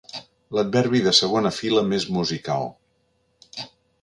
L'adverbi de segona fila més musical.